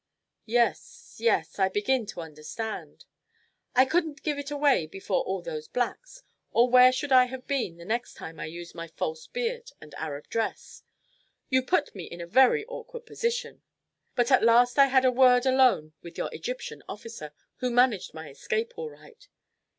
"Yes, yes. I begin to understand." "I couldn't give it away before all those blacks, or where should I have been the next time I used my false beard and Arab dress? You put me in a very awkward position. But at last I had a word alone with your Egyptian officer, who managed my escape all right."